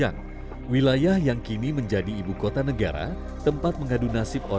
ini akan menjadi perukapan antara extra no bom